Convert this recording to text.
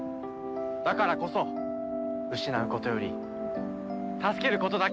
だからこそ失うことより助けることだけを考える。